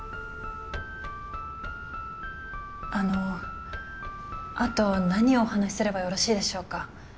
あのあと何をお話しすればよろしいでしょうか。